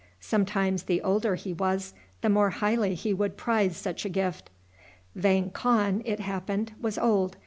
Sometimes the older he was the more highly he would prize such a gift. Vang Khan, it happened, was old.